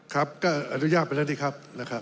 ครับก็อนุญาตไปแล้วสิครับนะครับ